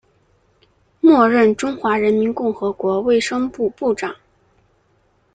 末任中华人民共和国卫生部部长。